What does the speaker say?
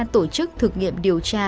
tổ chức thực nghiệm điều tra